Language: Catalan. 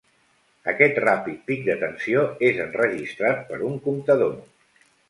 Aquest ràpid pic de tensió és enregistrat per un comptador.